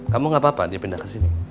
kamu gak apa apa dia pindah ke sini